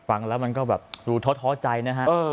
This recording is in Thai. ฟังแล้วมันก็แบบดูท้อใจนะฮะ